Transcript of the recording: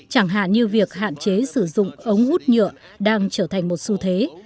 chẳng hạn như việc hạn chế sử dụng ống hút nhựa đang trở thành một xu thế